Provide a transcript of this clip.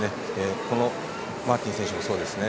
このマーティン選手もそうですね。